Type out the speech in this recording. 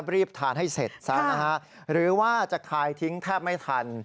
รีบทานให้เสร็จซะนะฮะหรือว่าจะคายทิ้งแทบไม่ทัน